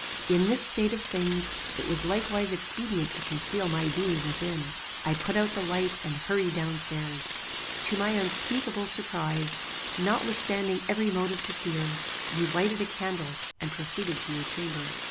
"In this state of things it was likewise expedient to conceal my being within. I put out the light and hurried down stairs. To my unspeakable surprize, notwithstanding every motive to fear, you lighted a candle and proceeded to your chamber.